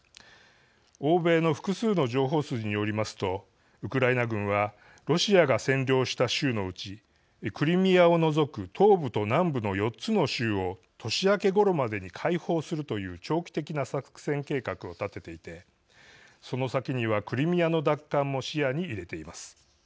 欧米の複数の情報筋によりますとウクライナ軍はロシアが占領した州のうちクリミアを除く東部と南部の４つの州を年明けごろまでに解放するという長期的な作戦計画を立てていてその先には、クリミアの奪還も視野に入れています。